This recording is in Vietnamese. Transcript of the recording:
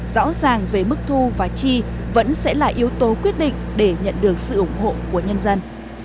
rõ ràng về mức thu và chi vẫn sẽ là yếu tố quyết định để nhận được sự ủng hộ của nhân dân